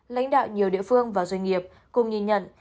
lãnh đạo nhiều địa phương và doanh nghiệp cùng nhìn nhận